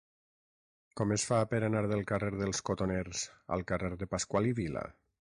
Com es fa per anar del carrer dels Cotoners al carrer de Pascual i Vila?